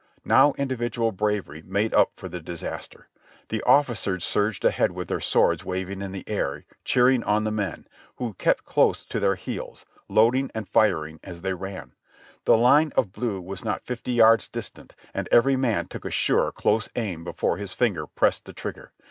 Now individual bravery made up for the disaster. The officers surged ahead with their swords waving in the air, cheering on the men, who kept close to their heels, load ing and firing as they ran. The line of blue was not fifty yards distant and every man took a sure, close aim before his finger pressed the trigger.